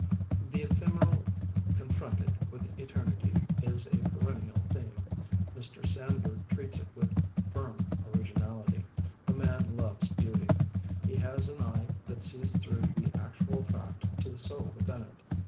The ephemeral confronted with eternity is a perennial theme, Mr. Sandburg treats it with firm original ity. The man loves beauty. He has an eye that sees through the actual fact to the soul within it.